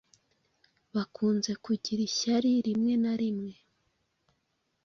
bakunze kugira ishyari rimwe na rimwe,